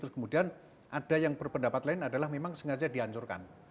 terus kemudian ada yang berpendapat lain adalah memang sengaja dihancurkan